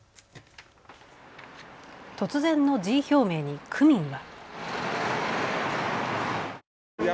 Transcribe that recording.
突然の辞意表明に区民は。